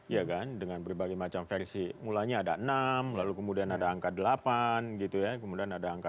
ya kan dengan berbagai macam versi mulanya ada enam kemudian ada angka delapan kemudian ada angka sepuluh